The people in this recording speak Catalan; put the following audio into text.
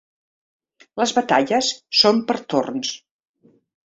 Les batalles són per torns.